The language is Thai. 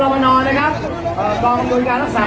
ขอบคุณมากนะคะแล้วก็แถวนี้ยังมีชาติของ